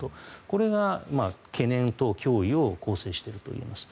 これが懸念と脅威を構成しているんだと思います。